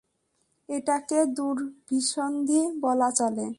এটাকে দুরভিসন্ধি বলা চলে।